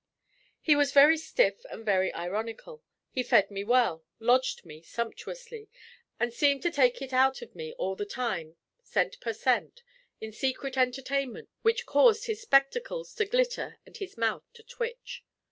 He was very stiff and very ironical; he fed me well, lodged me sumptuously, and seemed to take it out of me all the time, cent per cent, in secret entertainment which caused his spectacles to glitter and his mouth to twitch.